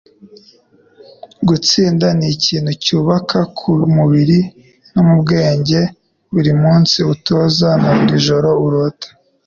Gutsinda ni ikintu cyubaka ku mubiri no mu bwenge buri munsi utoza na buri joro urota.